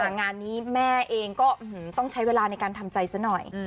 งานนี้แม่เองก็ต้องใช้เวลาในการทำใจซะหน่อย